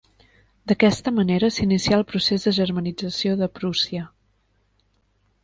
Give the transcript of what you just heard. D'aquesta manera s'inicià el procés de germanització de Prússia.